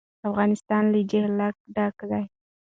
افغانستان له جلګه ډک دی.